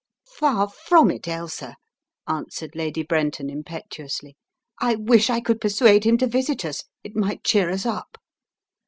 "Far from it, Ailsa," answered Lady Brenton, impetuously. "I wish I could persuade him to visit us, it might cheer us up.